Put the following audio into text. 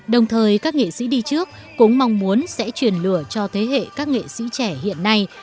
đồng thời các nghệ sĩ đi trước cũng mong muốn sẽ truyền lửa cho thế hệ các nghệ sĩ trẻ hiện nay